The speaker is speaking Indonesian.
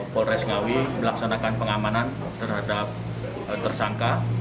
polres ngawi melaksanakan pengamanan terhadap tersangka